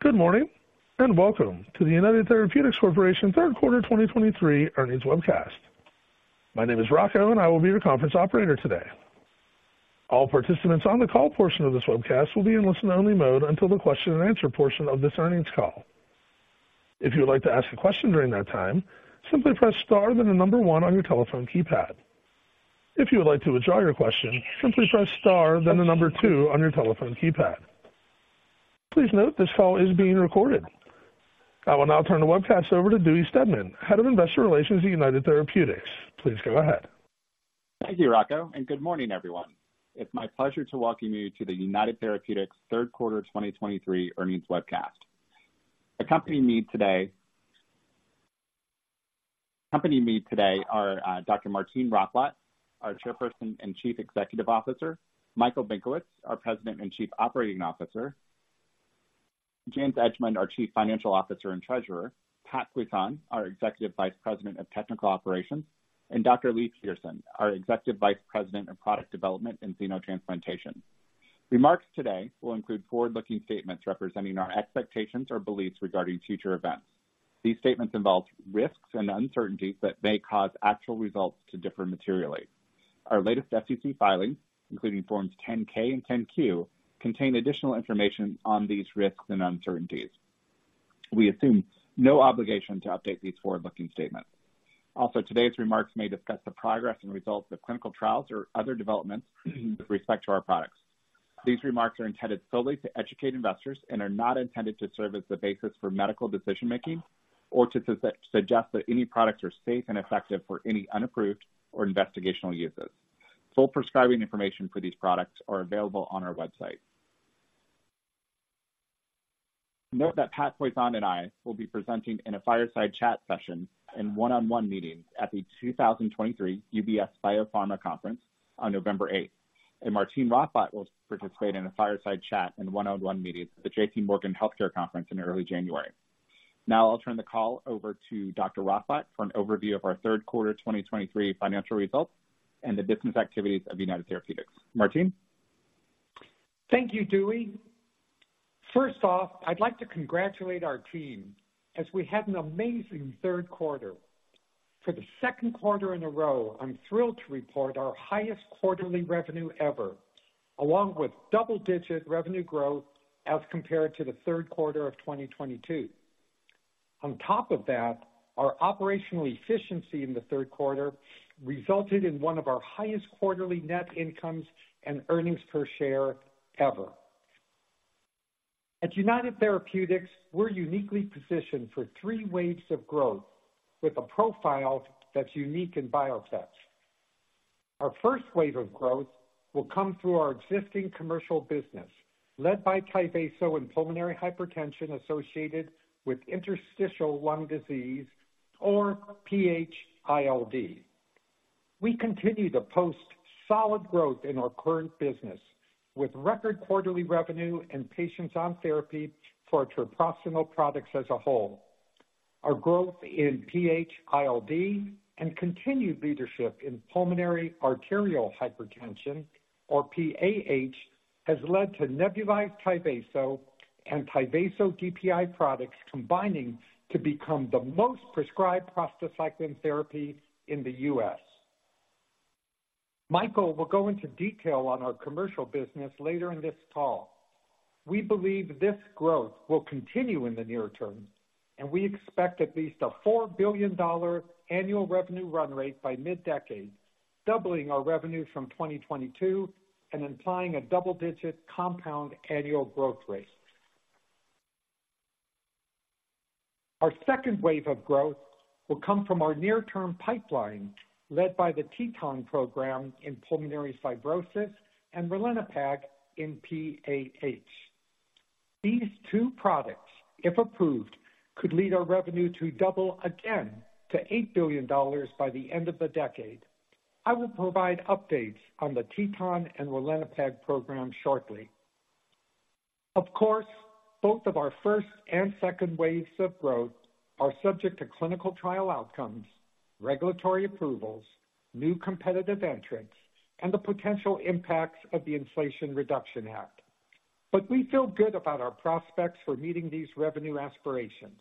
Good morning, and welcome to the United Therapeutics Corporation Q3 2023 earnings webcast. My name is Rocco, and I will be your conference operator today. All participants on the call portion of this webcast will be in listen-only mode until the question-and-answer portion of this earnings call. If you would like to ask a question during that time, simply press star, then the number one on your telephone keypad. If you would like to withdraw your question, simply press star, then the number two on your telephone keypad. Please note this call is being recorded. I will now turn the webcast over to Dewey Steadman, Head of Investor Relations at United Therapeutics. Please go ahead. Thank you, Rocco, and good morning, everyone. It's my pleasure to welcome you to the United Therapeutics Q3 2023 earnings webcast. Accompanying me today... Accompanying me today are Dr. Martine Rothblatt, our Chairperson and Chief Executive Officer; Michael Benkowitz, our President and Chief Operating Officer; James Edgemond, our Chief Financial Officer and Treasurer; Patrick Poisson, our Executive Vice President of Technical Operations; and Dr. Leigh Peterson, our Executive Vice President of Product Development and Xenotransplantation. Remarks today will include forward-looking statements representing our expectations or beliefs regarding future events. These statements involve risks and uncertainties that may cause actual results to differ materially. Our latest SEC filings, including Forms 10-K and 10-Q, contain additional information on these risks and uncertainties. We assume no obligation to update these forward-looking statements. Also, today's remarks may discuss the progress and results of clinical trials or other developments with respect to our products. These remarks are intended solely to educate investors and are not intended to serve as the basis for medical decision-making or to suggest that any products are safe and effective for any unapproved or investigational uses. Full prescribing information for these products are available on our website. Note that Pat Poisson and I will be presenting in a fireside chat session in one-on-one meetings at the 2023 UBS Biopharma Conference on November 8, and Martine Rothblatt will participate in a fireside chat in one-on-one meetings at the J.P. Morgan Healthcare Conference in early January. Now I'll turn the call over to Dr. Rothblatt for an overview of our Q3 2023 financial results and the business activities of United Therapeutics. Martine? Thank you, Dewey. First off, I'd like to congratulate our team as we had an amazing Q3 For the second quarter in a row, I'm thrilled to report our highest quarterly revenue ever, along with double-digit revenue growth as compared to the Q3 of 2022. On top of that, our operational efficiency in the Q3 resulted in one of our highest quarterly net incomes and earnings per share ever. At United Therapeutics, we're uniquely positioned for three waves of growth with a profile that's unique in biotech. Our first wave of growth will come through our existing commercial business, led by Tyvaso and Pulmonary Hypertension associated with Interstitial Lung Disease, or PHILD. We continue to post solid growth in our current business, with record quarterly revenue and patients on therapy for treprostinil products as a whole. Our growth in PH-ILD and continued leadership in pulmonary arterial hypertension, or PAH, has led to nebulized Tyvaso and Tyvaso DPI products combining to become the most prescribed prostacyclin therapy in the U.S. Michael will go into detail on our commercial business later in this call. We believe this growth will continue in the near term, and we expect at least a $4 billion annual revenue run rate by mid-decade, doubling our revenue from 2022 and implying a double-digit compound annual growth rate. Our second wave of growth will come from our near-term pipeline, led by the TETON program in pulmonary fibrosis and ralinepag in PAH. These two products, if approved, could lead our revenue to double again to $8 billion by the end of the decade. I will provide updates on the TETON and ralinepag program shortly. Of course, both of our first and second waves of growth are subject to clinical trial outcomes, regulatory approvals, new competitive entrants, and the potential impacts of the Inflation Reduction Act. But we feel good about our prospects for meeting these revenue aspirations.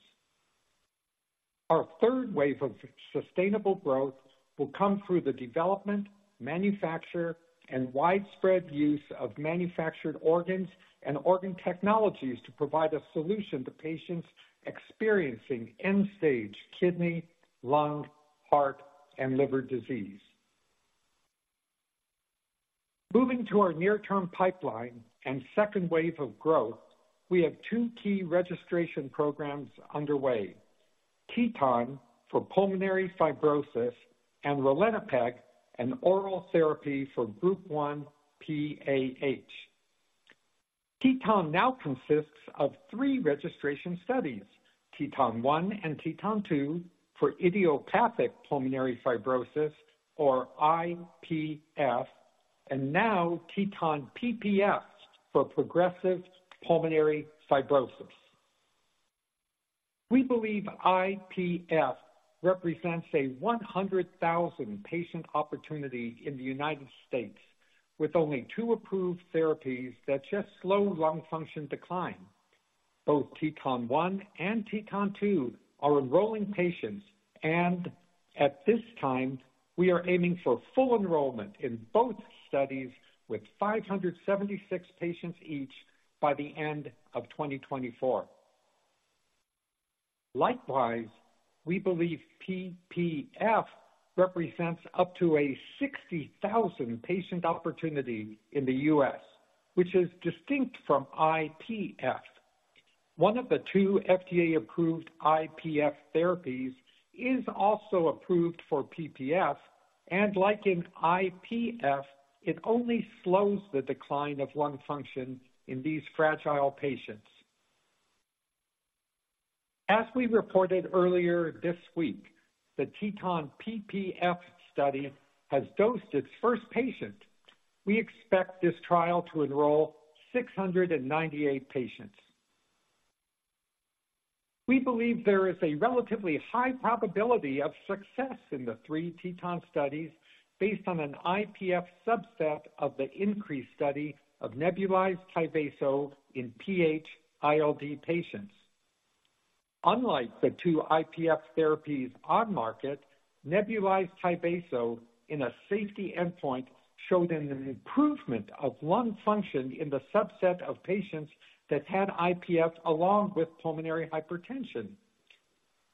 Our third wave of sustainable growth will come through the development, manufacture, and widespread use of manufactured organs and organ technologies to provide a solution to patients experiencing end-stage kidney, lung, heart, and liver disease. Moving to our near-term pipeline and second wave of growth, we have two key registration programs underway: TETON for pulmonary fibrosis and ralinepag, an oral therapy for Group 1 PAH. TETON now consists of three registration studies: TETON-1 and TETON-2 for Idiopathic Pulmonary Fibrosis or IPF, and now TETON-PPF for progressive pulmonary fibrosis.... We believe IPF represents a 100,000-patient opportunity in the United States, with only two approved therapies that just slow lung function decline. Both TETON-1 and TETON-2 are enrolling patients, and at this time, we are aiming for full enrollment in both studies with 576 patients each by the end of 2024. Likewise, we believe PPF represents up to a 60,000-patient opportunity in the U.S., which is distinct from IPF. One of the two FDA-approved IPF therapies is also approved for PPF, and like in IPF, it only slows the decline of lung function in these fragile patients. As we reported earlier this week, the TETON-PPF study has dosed its first patient. We expect this trial to enroll 698 patients. We believe there is a relatively high probability of success in the three TETON studies based on an IPF subset of the INCREASE study of nebulized Tyvaso in PH-ILD patients. Unlike the two IPF therapies on market, nebulized Tyvaso in a safety endpoint showed an improvement of lung function in the subset of patients that had IPF along with pulmonary hypertension.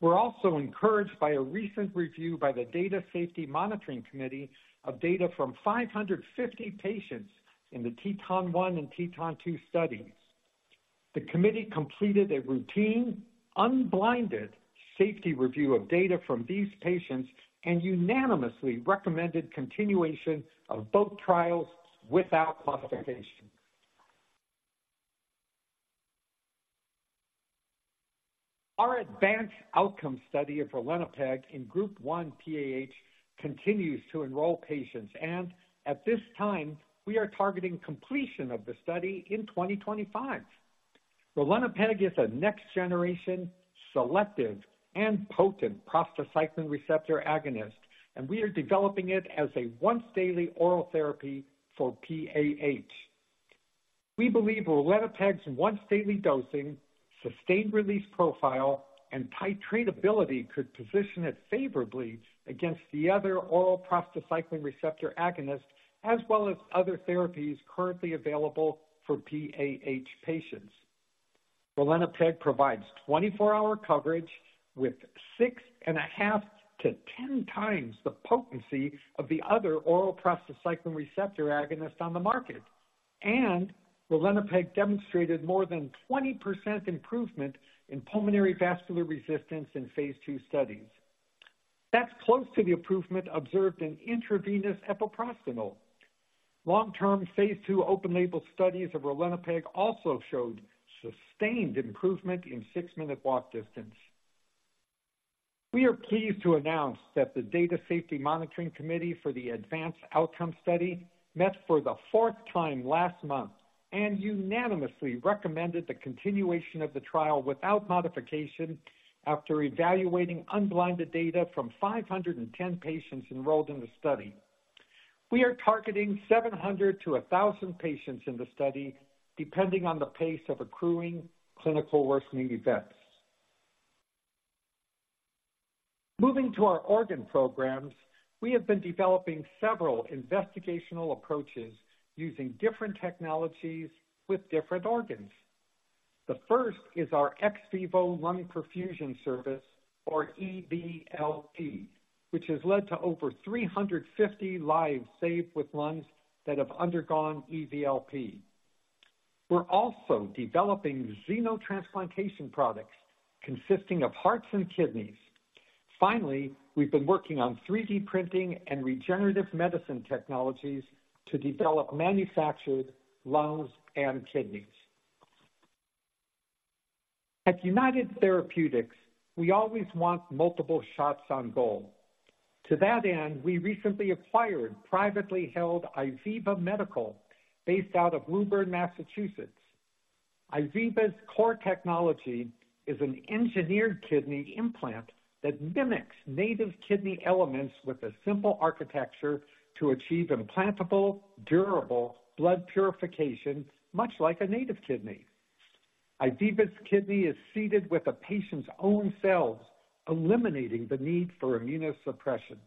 We're also encouraged by a recent review by the Data Safety Monitoring Committee of data from 550 patients in the TETON-1 and TETON-2 studies. The committee completed a routine, unblinded safety review of data from these patients and unanimously recommended continuation of both trials without classification. Our ADVANCE OUTCOMES study of ralinepag in Group 1 PAH continues to enroll patients, and at this time, we are targeting completion of the study in 2025. ralinepag is a next-generation, selective, and potent prostacyclin receptor agonist, and we are developing it as a once-daily oral therapy for PAH. We believe ralinepag's once-daily dosing, sustained-release profile, and titratability could position it favorably against the other oral prostacyclin receptor agonists, as well as other therapies currently available for PAH patients. ralinepag provides 24-hour coverage with 6.5-10 times the potency of the other oral prostacyclin receptor agonists on the market, and ralinepag demonstrated more than 20% improvement in pulmonary vascular resistance in phase II studies. That's close to the improvement observed in intravenous epoprostenol. Long-term phase 2 open label studies of ralinepag also showed sustained improvement in six-minute walk distance. We are pleased to announce that the Data Safety Monitoring Committee for the ADVANCE OUTCOMES study met for the fourth time last month and unanimously recommended the continuation of the trial without modification after evaluating unblinded data from 510 patients enrolled in the study. We are targeting 700-1,000 patients in the study, depending on the pace of accruing clinical worsening events. Moving to our organ programs, we have been developing several investigational approaches using different technologies with different organs. The first is our ex vivo lung perfusion service, or EVLP, which has led to over 350 lives saved with lungs that have undergone EVLP. We're also developing xenotransplantation products consisting of hearts and kidneys. Finally, we've been working on 3D printing and regenerative medicine technologies to develop manufactured lungs and kidneys. At United Therapeutics, we always want multiple shots on goal. To that end, we recently acquired privately held IVIVA Medical, based out of Woburn, Massachusetts. IVIVA's core technology is an engineered kidney implant that mimics native kidney elements with a simple architecture to achieve implantable, durable blood purification, much like a native kidney. IVIVA's kidney is seeded with a patient's own cells, eliminating the need for immunosuppression.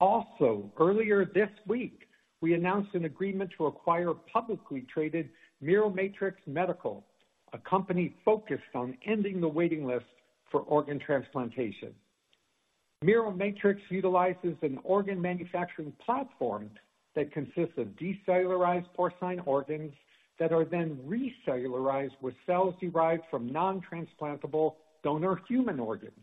Also, earlier this week, we announced an agreement to acquire publicly traded Miromatrix Medical, a company focused on ending the waiting list for organ transplantation. Miromatrix utilizes an organ manufacturing platform that consists of decellularized porcine organs that are then recellularized with cells derived from non-transplantable donor human organs.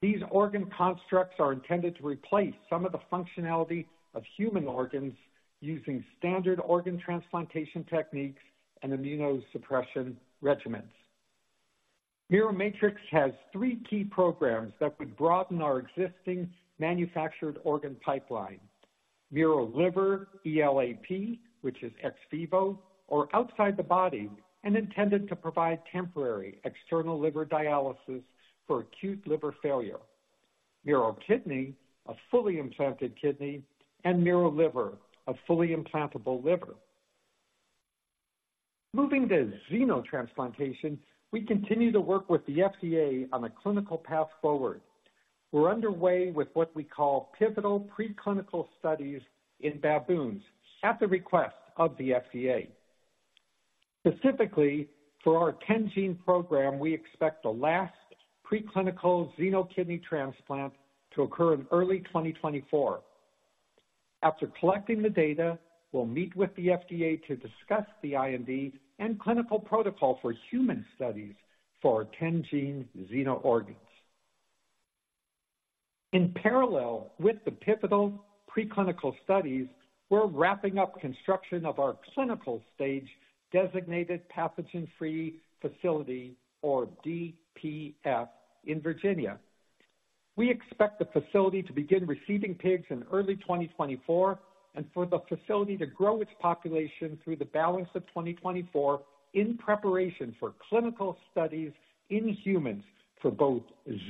These organ constructs are intended to replace some of the functionality of human organs using standard organ transplantation techniques and immunosuppression regimens. Miromatrix has three key programs that would broaden our existing manufactured organ pipeline. MiroLiver ELAP, which is ex vivo or outside the body, and intended to provide temporary external liver dialysis for acute liver failure. MiroKidney, a fully implanted kidney, and MiroLiver, a fully implantable liver. Moving to xenotransplantation, we continue to work with the FDA on a clinical path forward. We're underway with what we call pivotal preclinical studies in baboons at the request of the FDA. Specifically, for our10-gene program, we expect the last preclinical xenokidney transplant to occur in early 2024. After collecting the data, we'll meet with the FDA to discuss the IND and clinical protocol for human studies for our 10-gene xenoorgans. In parallel with the pivotal preclinical studies, we're wrapping up construction of our clinical stage designated pathogen-free facility, or DPF, in Virginia. We expect the facility to begin receiving pigs in early 2024, and for the facility to grow its population through the balance of 2024 in preparation for clinical studies in humans for both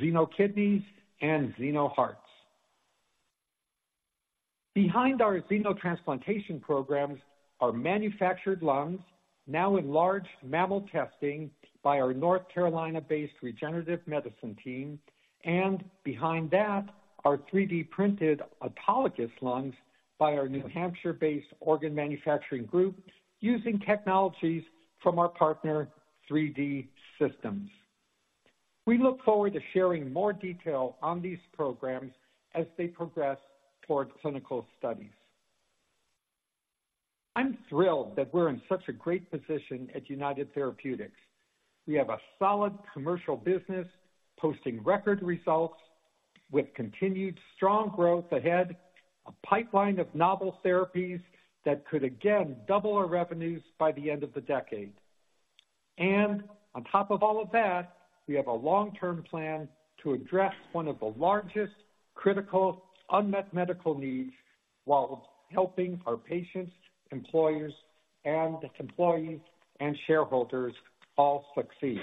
xenokidneys and xenohearts. Behind our xenotransplantation programs are manufactured lungs, now in large mammal testing by our North Carolina-based regenerative medicine team, and behind that, our 3D-printed autologous lungs by our New Hampshire-based organ manufacturing group, using technologies from our partner, 3D Systems. We look forward to sharing more detail on these programs as they progress toward clinical studies. I'm thrilled that we're in such a great position at United Therapeutics. We have a solid commercial business posting record results with continued strong growth ahead, a pipeline of novel therapies that could again double our revenues by the end of the decade. And on top of all of that, we have a long-term plan to address one of the largest critical unmet medical needs while helping our patients, employers, and employees and shareholders all succeed.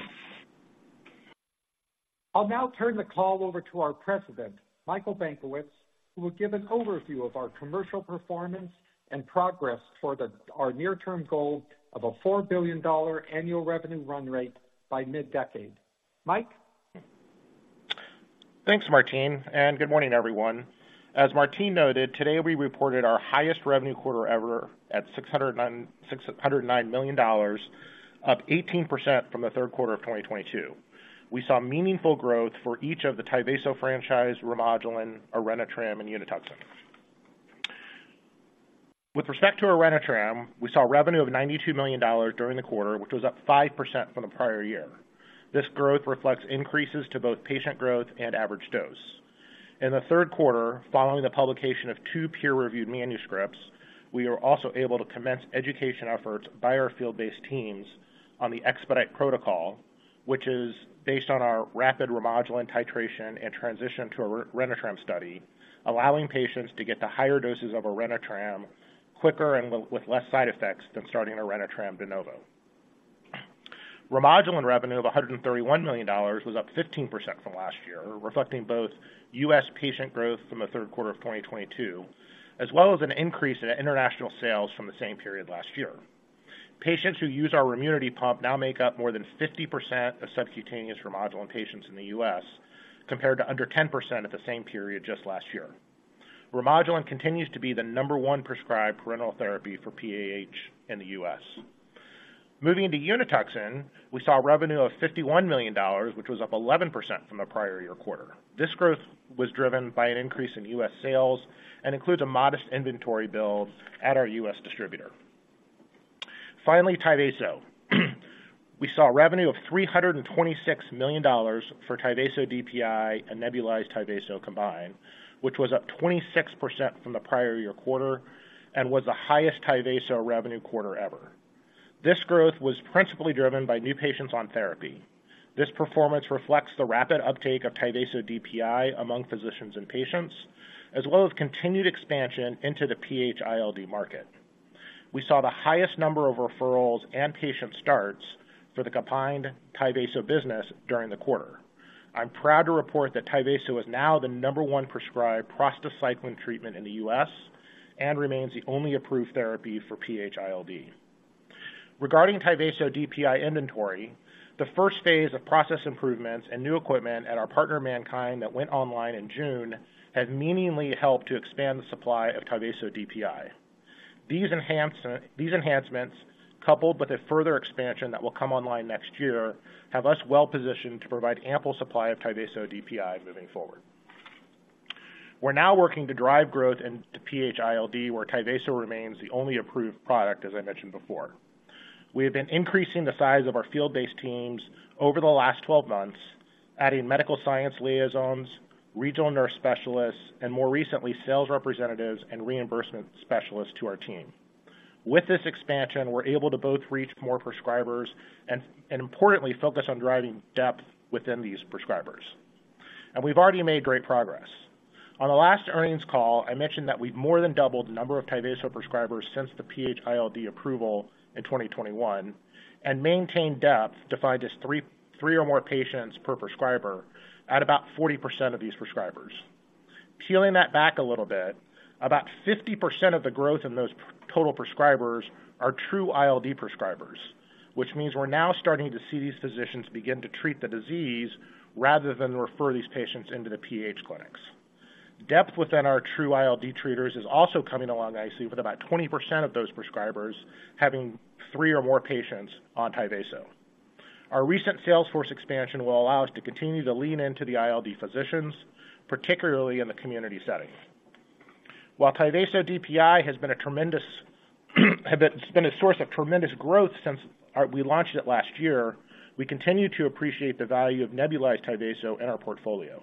I'll now turn the call over to our president, Michael Benkowitz, who will give an overview of our commercial performance and progress toward the, our near-term goal of a $4 billion annual revenue run rate by mid-decade. Mike? Thanks, Martine, and good morning, everyone. As Martine noted, today, we reported our highest revenue quarter ever at $609 million, up 18% from the Q3 of 2022. We saw meaningful growth for each of the Tyvaso franchise, Remodulin, Orenitram, and Unituxin. With respect to Orenitram, we saw revenue of $92 million during the quarter, which was up 5% from the prior year. This growth reflects increases to both patient growth and average dose. In the Q3, following the publication of 2 peer-reviewed manuscripts, we were also able to commence education efforts by our field-based teams on the EXPEDITE protocol, which is based on our rapid Remodulin titration and transition to a Orenitram study, allowing patients to get to higher doses of Orenitram quicker and with less side effects than starting Orenitram de novo. Remodulin revenue of $131 million was up 15% from last year, reflecting both US patient growth from theQ3of 2022, as well as an increase in international sales from the same period last year. Patients who use our Remunity Pump now make up more than 50% of subcutaneous Remodulin patients in the US, compared to under 10% at the same period just last year. Remodulin continues to be the number one prescribed parenteral therapy for PAH in the US. Moving to Unituxin, we saw revenue of $51 million, which was up 11% from the prior-year quarter. This growth was driven by an increase in US sales and includes a modest inventory build at our US distributor. Finally, Tyvaso. We saw revenue of $326 million for Tyvaso DPI and nebulized Tyvaso combined, which was up 26% from the prior year quarter and was the highest Tyvaso revenue quarter ever. This growth was principally driven by new patients on therapy. This performance reflects the rapid uptake of Tyvaso DPI among physicians and patients, as well as continued expansion into the PH-ILD market. We saw the highest number of referrals and patient starts for the combined Tyvaso business during the quarter. I'm proud to report that Tyvaso is now the number one prescribed prostacyclin treatment in the U.S. and remains the only approved therapy for PH-ILD. Regarding Tyvaso DPI inventory, the first phase of process improvements and new equipment at our partner, Mannkind, that went online in June, have meaningfully helped to expand the supply of Tyvaso DPI. These enhancements, coupled with a further expansion that will come online next year, have us well positioned to provide ample supply of Tyvaso DPI moving forward. We're now working to drive growth into PH-ILD, where Tyvaso remains the only approved product, as I mentioned before. We have been increasing the size of our field-based teams over the last 12 months, adding medical science liaisons, regional nurse specialists, and more recently, sales representatives and reimbursement specialists to our team. With this expansion, we're able to both reach more prescribers and importantly, focus on driving depth within these prescribers. And we've already made great progress. On the last earnings call, I mentioned that we've more than doubled the number of Tyvaso prescribers since the PH-ILD approval in 2021, and maintained depth, defined as three or more patients per prescriber, at about 40% of these prescribers. Peeling that back a little bit, about 50% of the growth in those total prescribers are true ILD prescribers, which means we're now starting to see these physicians begin to treat the disease rather than refer these patients into the PH clinics. Depth within our true ILD treaters is also coming along nicely, with about 20% of those prescribers having three or more patients on Tyvaso. Our recent sales force expansion will allow us to continue to lean into the ILD physicians, particularly in the community setting. While Tyvaso DPI has been a tremendous, has been a source of tremendous growth since our- we launched it last year, we continue to appreciate the value of nebulized Tyvaso in our portfolio.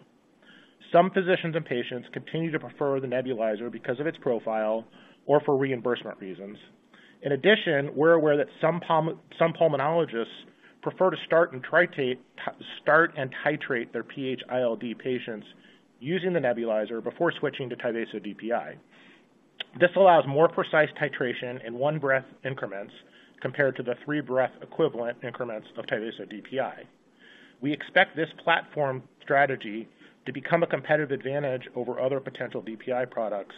Some physicians and patients continue to prefer the nebulizer because of its profile or for reimbursement reasons. In addition, we're aware that some pulmonologists prefer to start and titrate their PH-ILD patients using the nebulizer before switching to Tyvaso DPI. This allows more precise titration in one breath increments compared to the three breath equivalent increments of Tyvaso DPI. We expect this platform strategy to become a competitive advantage over other potential DPI products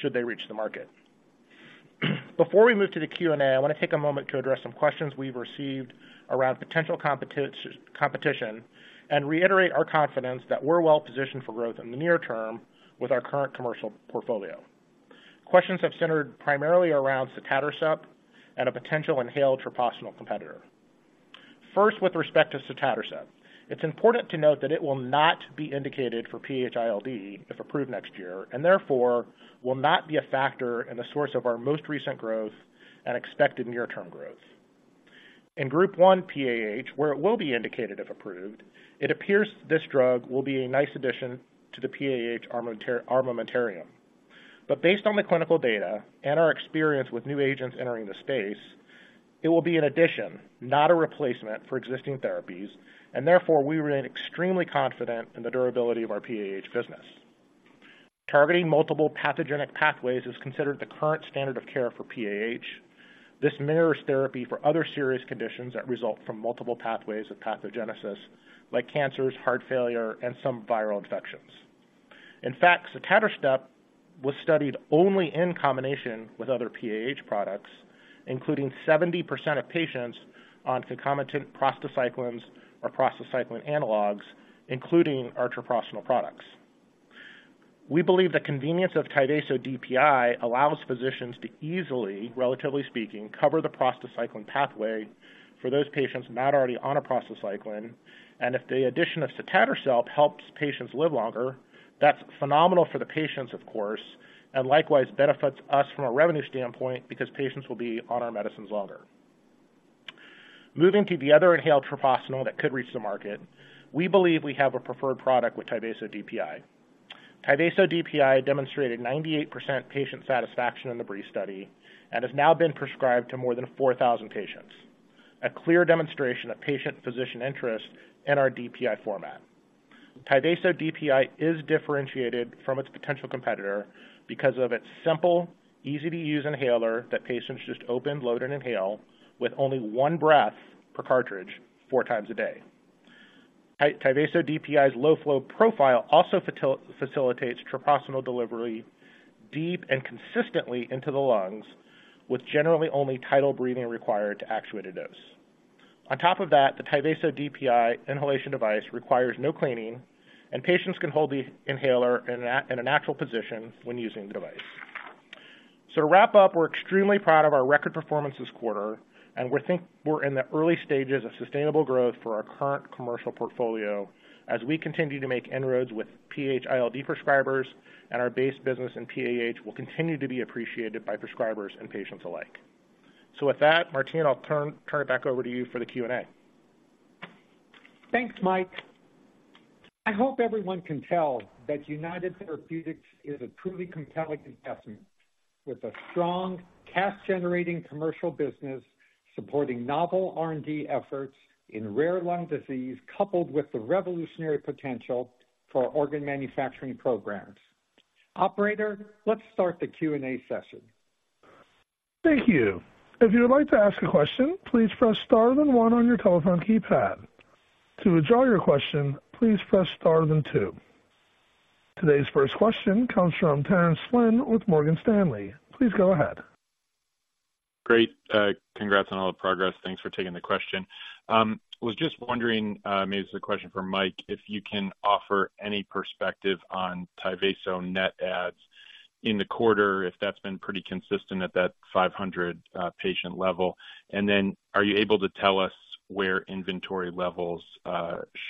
should they reach the market. Before we move to the Q&A, I want to take a moment to address some questions we've received around potential competition, and reiterate our confidence that we're well positioned for growth in the near term with our current commercial portfolio. Questions have centered primarily around sotatercept and a potential inhaled treprostinil competitor. First, with respect to sotatercept, it's important to note that it will not be indicated for PH-ILD if approved next year, and therefore, will not be a factor in the source of our most recent growth and expected near-term growth. In Group 1 PAH, where it will be indicated, if approved, it appears this drug will be a nice addition to the PAH armamentarium. But based on the clinical data and our experience with new agents entering the space, it will be an addition, not a replacement, for existing therapies, and therefore, we remain extremely confident in the durability of our PAH business. Targeting multiple pathogenic pathways is considered the current standard of care for PAH. This mirrors therapy for other serious conditions that result from multiple pathways of pathogenesis, like cancers, heart failure, and some viral infections. In fact, sotatercept was studied only in combination with other PAH products, including 70% of patients on concomitant prostacyclins or prostacyclin analogs, including our treprostinil products. We believe the convenience of Tyvaso DPI allows physicians to easily, relatively speaking, cover the prostacyclin pathway for those patients not already on a prostacyclin. And if the addition of sotatercept helps patients live longer, that's phenomenal for the patients, of course, and likewise benefits us from a revenue standpoint because patients will be on our medicines longer. Moving to the other inhaled treprostinil that could reach the market, we believe we have a preferred product with Tyvaso DPI. Tyvaso DPI demonstrated 98% patient satisfaction in the BREEZE study and has now been prescribed to more than 4,000 patients, a clear demonstration of patient-physician interest in our DPI format. Tyvaso DPI is differentiated from its potential competitor because of its simple, easy-to-use inhaler that patients just open, load, and inhale with only one breath per cartridge, four times a day. Tyvaso DPI's low flow profile also facilitates treprostinil delivery deep and consistently into the lungs, with generally only tidal breathing required to actuate a dose. On top of that, the Tyvaso DPI inhalation device requires no cleaning, and patients can hold the inhaler in a natural position when using the device. So to wrap up, we're extremely proud of our record performance this quarter, and we think we're in the early stages of sustainable growth for our current commercial portfolio as we continue to make inroads with PH-ILD prescribers, and our base business in PAH will continue to be appreciated by prescribers and patients alike. With that, Martine, I'll turn it back over to you for the Q&A. Thanks, Mike. I hope everyone can tell that United Therapeutics is a truly compelling investment, with a strong cash-generating commercial business supporting novel R&D efforts in rare lung disease, coupled with the revolutionary potential for organ manufacturing programs. Operator, let's start the Q&A session. Thank you. If you would like to ask a question, please press star then one on your telephone keypad. To withdraw your question, please press star then two. Today's first question comes from Terence Flynn with Morgan Stanley. Please go ahead. Great. Congrats on all the progress. Thanks for taking the question. Was just wondering, maybe this is a question for Mike, if you can offer any perspective on Tyvaso net adds in the quarter, if that's been pretty consistent at that 500-patient level? And then are you able to tell us where inventory levels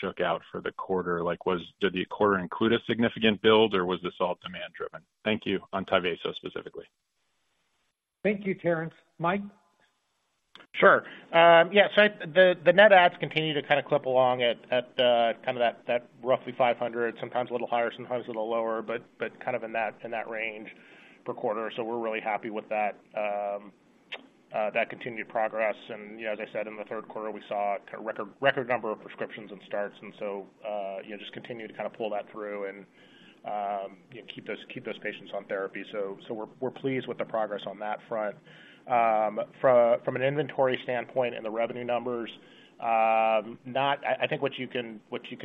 shook out for the quarter? Like, did the quarter include a significant build, or was this all demand driven? Thank you. On Tyvaso specifically. Thank you, Terence. Mike? Sure. Yeah, so the net adds continue to kind of clip along at kind of that roughly 500, sometimes a little higher, sometimes a little lower, but kind of in that range per quarter. So we're really happy with that, that continued progress. And, you know, as I said, in the Q3, we saw a kind of record, record number of prescriptions and starts. And so, you know, just continue to kind of pull that through and, you know, keep those patients on therapy. So, so we're, we're pleased with the progress on that front. From an inventory standpoint and the revenue numbers, I think what you can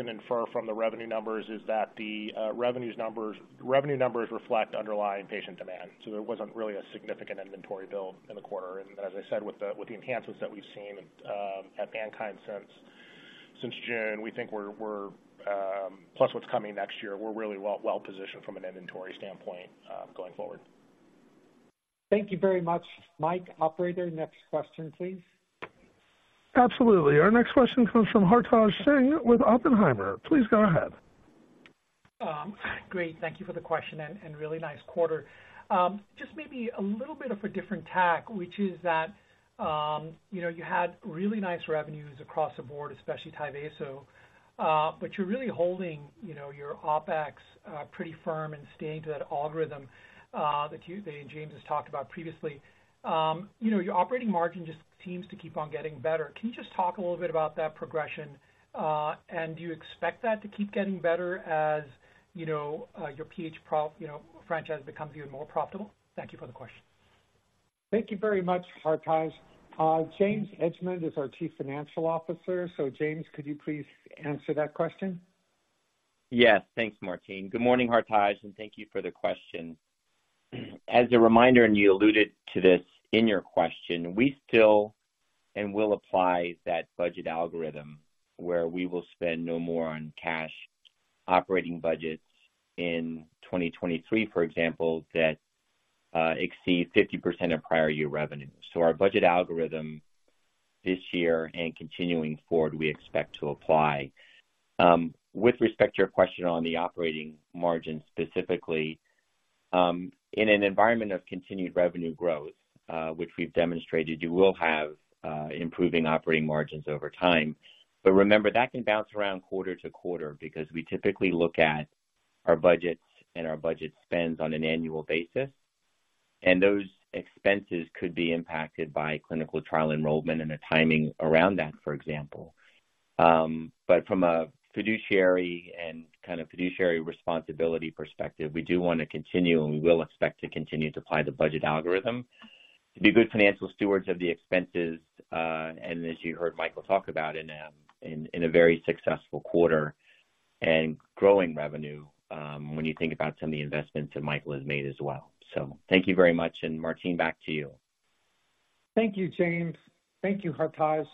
infer from the revenue numbers is that the revenues numbers, revenue numbers reflect underlying patient demand. So there wasn't really a significant inventory build in the quarter. As I said, with the enhancements that we've seen at MannKind since June, we think we're plus what's coming next year, we're really well positioned from an inventory standpoint going forward. Thank you very much, Mike. Operator, next question, please. Absolutely. Our next question comes from Hartaj Singh with Oppenheimer. Please go ahead. Great. Thank you for the question and, and really nice quarter. Just maybe a little bit of a different tack, which is that, you know, you had really nice revenues across the board, especially Tyvaso, but you're really holding, you know, your OpEx, pretty firm and staying to that algorithm, that you and James has talked about previously. You know, your operating margin just seems to keep on getting better. Can you just talk a little bit about that progression? And do you expect that to keep getting better as, you know, your PH prof, you know, franchise becomes even more profitable? Thank you for the question. Thank you very much, Hartaj. James Edgemond is our Chief Financial Officer. So James, could you please answer that question? Yes, thanks, Martine. Good morning, Hartaj, and thank you for the question. As a reminder, and you alluded to this in your question, we still and will apply that budget algorithm, where we will spend no more on cash operating budgets in 2023, for example, that exceed 50% of prior year revenue. So our budget algorithm this year and continuing forward, we expect to apply. With respect to your question on the operating margin, specifically, in an environment of continued revenue growth, which we've demonstrated, you will have improving operating margins over time. But remember, that can bounce around quarter to quarter because we typically look at our budgets and our budget spends on an annual basis, and those expenses could be impacted by clinical trial enrollment and the timing around that, for example. But from a fiduciary and kind of fiduciary responsibility perspective, we do want to continue, and we will expect to continue to apply the budget algorithm to be good financial stewards of the expenses, and as you heard Michael talk about in a very successful quarter and growing revenue, when you think about some of the investments that Michael has made as well. So thank you very much, and Martine, back to you. Thank you, James. Thank you, Hartaj.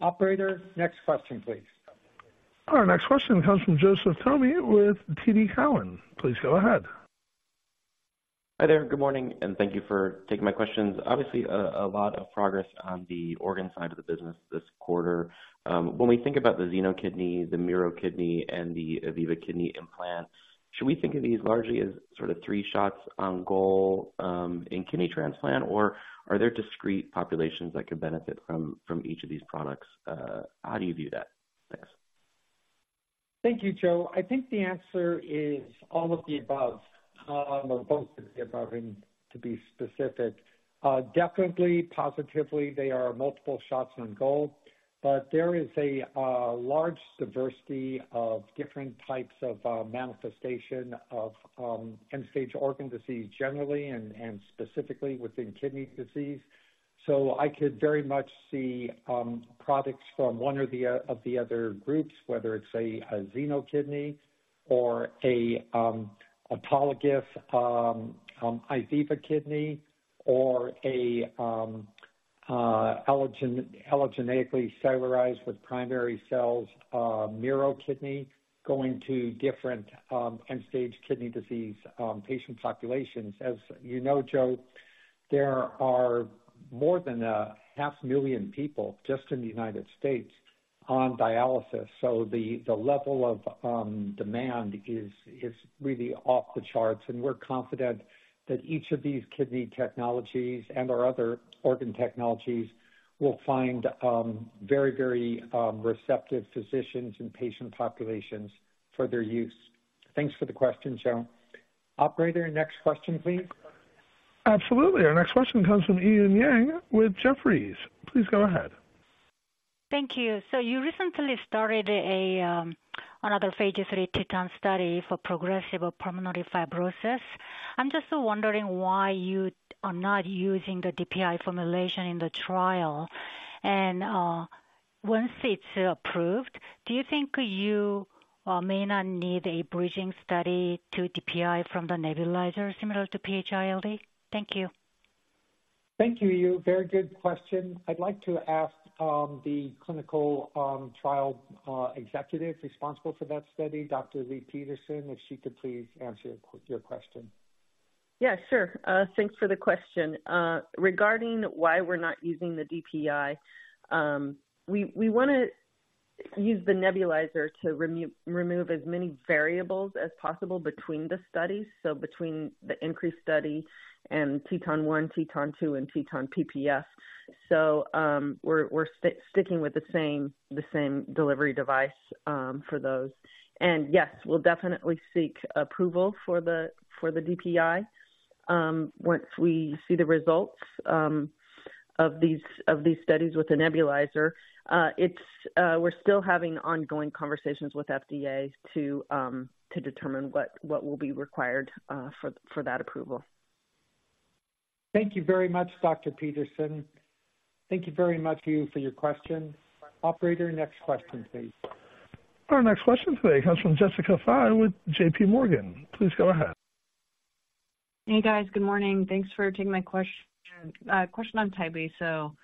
Operator, next question, please. Our next question comes from Joseph Thome with TD Cowen. Please go ahead. Hi there. Good morning, and thank you for taking my questions. Obviously, a lot of progress on the organ side of the business this quarter. When we think about the XenoKidney, the MiroKidney, and the IVIVA kidney implant, should we think of these largely as sort of three shots on goal in kidney transplant? Or are there discrete populations that could benefit from each of these products? How do you view that? Thanks. Thank you, Joe. I think the answer is all of the above, or both of the above, to be specific. Definitely, positively, they are multiple shots on goal, but there is a large diversity of different types of manifestation of end-stage organ disease generally and specifically within kidney disease. So I could very much see products from one or the other groups, whether it's a XenoKidney or a autologous IVIVA kidney or a allogeneically cellularized with primary cells MiroKidney, going to different end-stage kidney disease patient populations. As you know, Joe, there are more than 500,000 people just in the United States on dialysis. So the level of demand is really off the charts, and we're confident that each of these kidney technologies and our other organ technologies will find very, very receptive physicians and patient populations for their use. Thanks for the question, Joe. Operator, next question, please. Absolutely. Our next question comes from Eun Yang with Jefferies. Please go ahead. Thank you. So you recently started another phase III TETON study for progressive pulmonary fibrosis. I'm just wondering why you are not using the DPI formulation in the trial. Once it's approved, do you think you may not need a bridging study to DPI from the nebulizer, similar to PH-ILD? Thank you. Thank you, Eun. Very good question. I'd like to ask the clinical trial executive responsible for that study, Dr. Leigh Peterson, if she could please answer your question. Yeah, sure. Thanks for the question. Regarding why we're not using the DPI, we wanna use the nebulizer to remove as many variables as possible between the studies, so between the INCREASE study and TETON-1, TETON-2, and TETON-PPF. So, we're sticking with the same delivery device for those. And yes, we'll definitely seek approval for the DPI once we see the results of these studies with the nebulizer. We're still having ongoing conversations with FDA to determine what will be required for that approval. Thank you very much, Dr. Peterson. Thank you very much to you for your question. Operator, next question, please. Our next question today comes from Jessica Fye with JPMorgan. Please go ahead. Hey, guys. Good morning. Thanks for taking my question. Question on Tyvaso.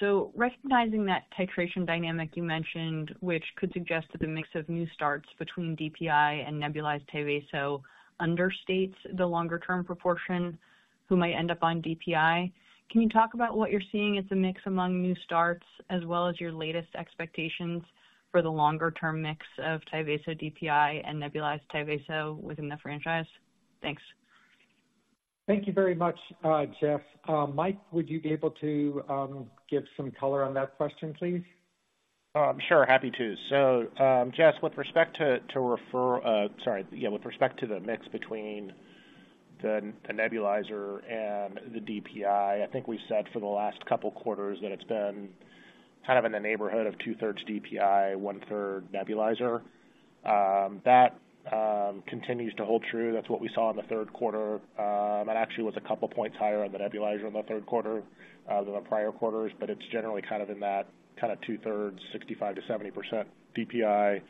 So recognizing that titration dynamic you mentioned, which could suggest that the mix of new starts between DPI and nebulized Tyvaso understates the longer term proportion, who might end up on DPI. Can you talk about what you're seeing as a mix among new starts, as well as your latest expectations for the longer term mix of Tyvaso DPI and nebulized Tyvaso within the franchise? Thanks. Thank you very much, Jess. Mike, would you be able to give some color on that question, please? Sure, happy to. So, Jess, with respect to the mix between the nebulizer and the DPI, I think we said for the last couple quarters that it's been kind of in the neighborhood of 2/3 DPI, 1/3 nebulizer. That continues to hold true. That's what we saw in the Q3. That actually was a couple points higher on the nebulizer in the Q3 than the prior quarters, but it's generally kind of in that kind of 2/3, 65%-70% DPI,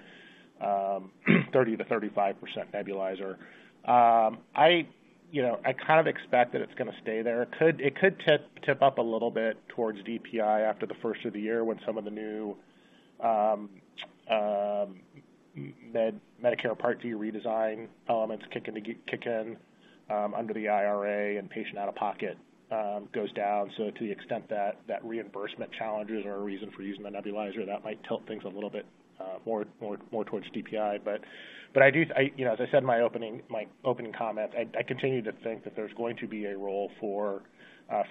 30%-35% nebulizer. You know, I kind of expect that it's gonna stay there. It could tip up a little bit towards DPI after the first of the year, when some of the new Medicare Part D redesign elements kick in under the IRA and patient out-of-pocket goes down. So to the extent that reimbursement challenges are a reason for using the nebulizer, that might tilt things a little bit more towards DPI. But I do, you know, as I said in my opening comments, I continue to think that there's going to be a role for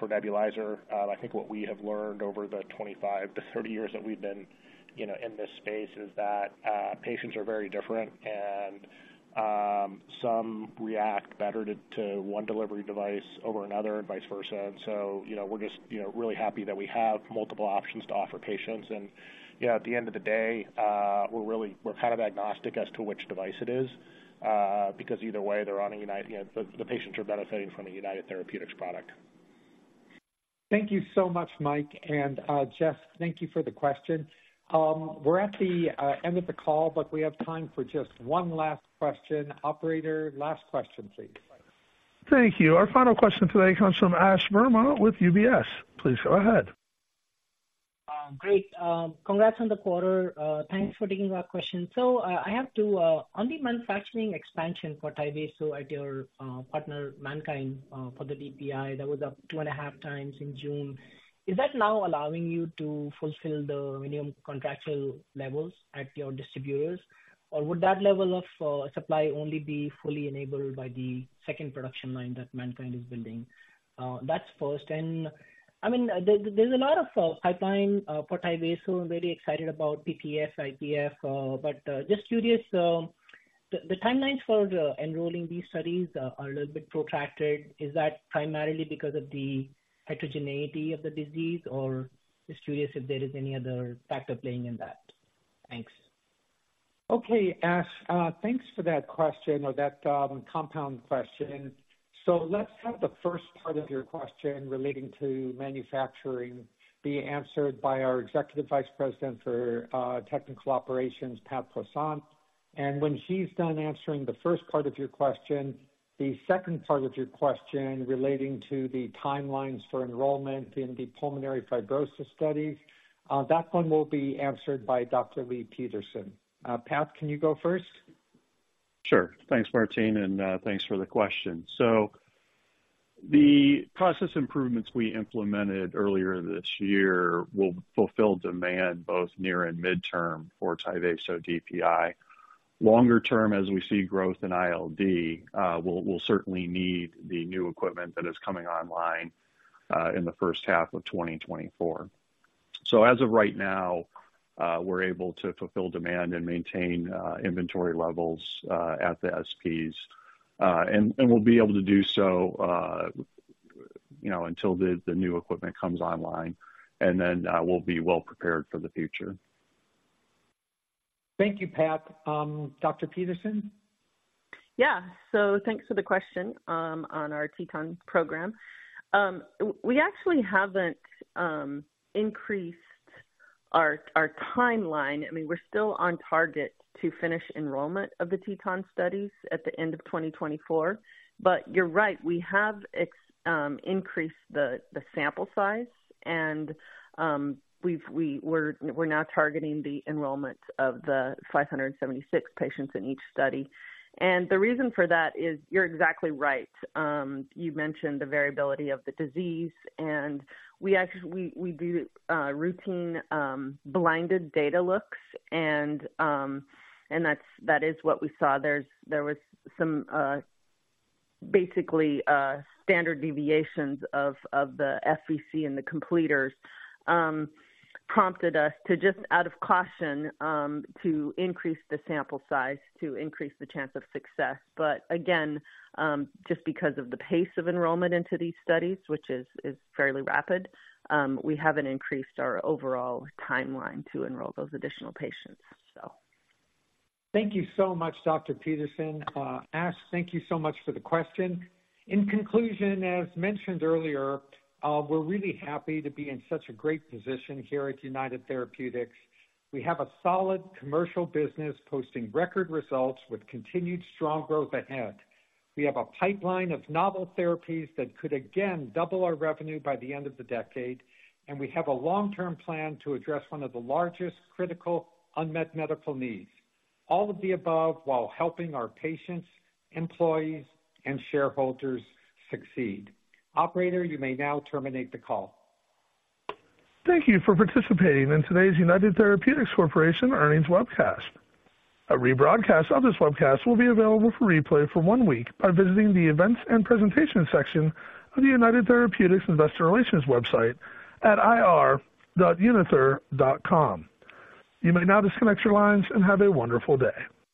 nebulizer. I think what we have learned over the 25-30 years that we've been, you know, in this space, is that patients are very different and some react better to one delivery device over another and vice versa. So, you know, we're just, you know, really happy that we have multiple options to offer patients. You know, at the end of the day, we're really kind of agnostic as to which device it is, because either way, they're on a United—the patients are benefiting from a United Therapeutics product. Thank you so much, Mike, and, Jess, thank you for the question. We're at the end of the call, but we have time for just one last question. Operator, last question, please. Thank you. Our final question today comes from Ash Verma with UBS. Please go ahead. Great. Congrats on the quarter. Thanks for taking our question. So, I have two. On the manufacturing expansion for Tyvaso at your partner, MannKind, for the DPI, that was up 2.5 times in June. Is that now allowing you to fulfill the minimum contractual levels at your distributors? Or would that level of supply only be fully enabled by the second production line that MannKind is building? That's first. And I mean, there's a lot of pipeline for Tyvaso. Very excited about PPF, IPF, but just curious, the timelines for enrolling these studies are a little bit protracted. Is that primarily because of the heterogeneity of the disease, or just curious if there is any other factor playing in that? Thanks. Okay, Ash, thanks for that question or that compound question. Let's have the first part of your question relating to manufacturing be answered by our Executive Vice President for Technical Operations, Pat Poisson. And when she's done answering the first part of your question, the second part of your question relating to the timelines for enrollment in the pulmonary fibrosis studies, that one will be answered by Dr. Leigh Peterson. Pat, can you go first? Sure. Thanks, Martine, and thanks for the question. So the process improvements we implemented earlier this year will fulfill demand both near and midterm for Tyvaso DPI. Longer term, as we see growth in ILD, we'll certainly need the new equipment that is coming online in the first half of 2024. So as of right now, we're able to fulfill demand and maintain inventory levels at the SPs. And we'll be able to do so, you know, until the new equipment comes online, and then we'll be well prepared for the future. Thank you, Pat. Dr. Peterson? Yeah. So thanks for the question on our TETON program. We actually haven't increased our timeline. I mean, we're still on target to finish enrollment of the TETON studies at the end of 2024. But you're right, we have increased the sample size and we've we're now targeting the enrollment of the 576 patients in each study. And the reason for that is, you're exactly right. You mentioned the variability of the disease, and we actually we do routine blinded data looks and that's that is what we saw. There was some basically standard deviations of the FVC and the completers prompted us to just out of caution to increase the sample size, to increase the chance of success. But again, just because of the pace of enrollment into these studies, which is fairly rapid, we haven't increased our overall timeline to enroll those additional patients, so. Thank you so much, Dr. Peterson. Ash, thank you so much for the question. In conclusion, as mentioned earlier, we're really happy to be in such a great position here at United Therapeutics. We have a solid commercial business posting record results with continued strong growth ahead. We have a pipeline of novel therapies that could again double our revenue by the end of the decade, and we have a long-term plan to address one of the largest critical unmet medical needs. All of the above while helping our patients, employees, and shareholders succeed. Operator, you may now terminate the call. Thank you for participating in today's United Therapeutics Corporation Earnings Webcast. A rebroadcast of this webcast will be available for replay for one week by visiting the Events and Presentations section of the United Therapeutics Investor Relations website at ir.unither.com. You may now disconnect your lines and have a wonderful day.